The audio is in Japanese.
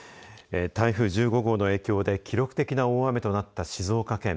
台風１５号の影響で記録的な大雨となった静岡県。